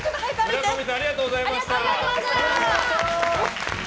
村上さんありがとうございました。